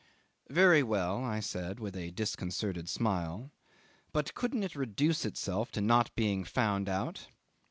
"Very well," I said, with a disconcerted smile; "but couldn't it reduce itself to not being found out?"